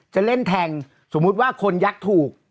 จะเล่นแทงสมมุติว่าคนยักษ์ถูก